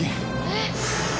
えっ？